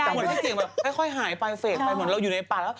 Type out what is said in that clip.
ลองเลึกเสียงไปค่อยหายไปไฟเวทไปอยู่ในป่า